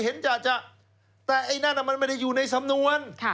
จะแต่ไอ้นั่นมันไม่ได้อยู่ในสำนวน